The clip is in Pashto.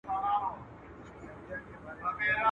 o نېکي زوال نه لري.